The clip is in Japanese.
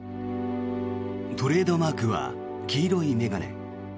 トレードマークは黄色い眼鏡。